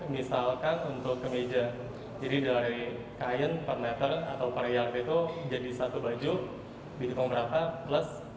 misalkan untuk kemeja jadi dari kain per meter atau per yard itu jadi satu baju jadi pengberapa